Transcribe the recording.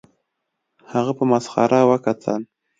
هغه په مسخره وکتل